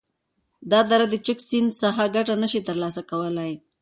دا دره د چک د سیند څخه گټه نشی تر لاسه کولای،